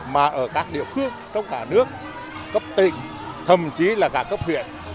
mà ở các địa phương trong cả nước cấp tỉnh thậm chí là cả cấp huyện